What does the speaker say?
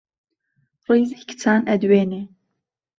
ڕیزی کچان ئەدوێنێ